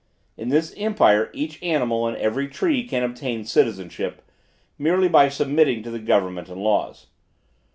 In this empire each animal and every tree can obtain citizenship, merely by submitting to the government and laws.